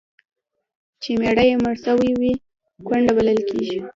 چي میړه یې مړ سوی وي، کونډه بلل کیږي.